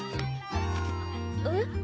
えっ？